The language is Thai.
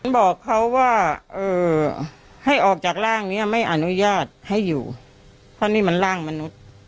บอกเขาว่าให้ออกจากร่างนี้ไม่อนุญาตให้อยู่เพราะนี่มันร่างมนุษย์